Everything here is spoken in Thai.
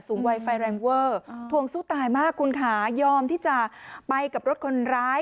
วัยไฟแรงเวอร์ทวงสู้ตายมากคุณค่ะยอมที่จะไปกับรถคนร้าย